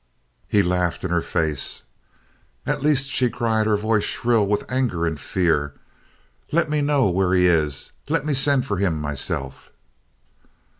He laughed in her face. "At least," she cried, her voice shrill with anger and fear, "let me know where he is. Let me send for him myself."